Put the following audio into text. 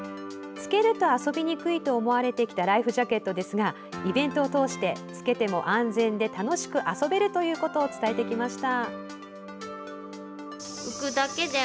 着けると遊びにくいと思われてきたライフジャケットですがイベントを通して着けても安全で楽しく遊べるということを伝えてきました。